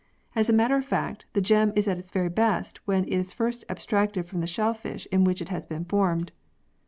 As a matter of fact, the gem is at its very best when it is first abstracted from the shellfish in which it has been formed.